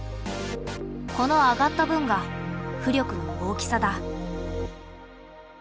この上がった分が浮力の大きさだ。